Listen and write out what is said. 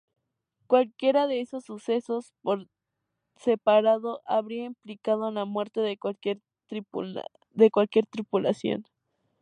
Cualquiera de esos sucesos por separado habría implicado la muerte de cualquier tripulación.